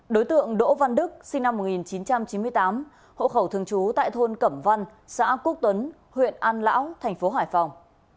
đối tượng đỗ văn đức sinh năm một nghìn chín trăm chín mươi tám hộ khẩu thường trú tại thôn cẩm văn xã quốc tuấn huyện an lão thành phố hải phòng